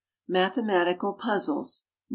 MATHEMATICAL PUZZLES. No.